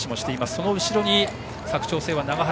その後ろに佐久長聖の永原。